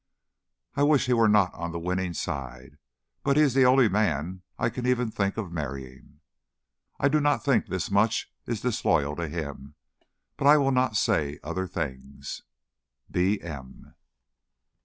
I wish he were not on the winning side. But he is the only man I can even think of marrying. I do not think this much is disloyal to him. But I will not say other things. B. M.